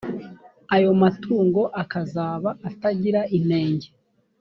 ayo matungo akazaba atagira inenge.